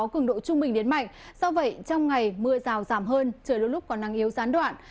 trung bình đến mạnh do vậy trong ngày mưa rào giảm hơn trời lúc lúc còn năng yếu gián đoạn